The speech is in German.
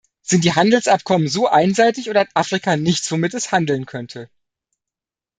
Sind die Handelsabkommen so einseitig oder hat Afrika nichts, womit es handeln könnte?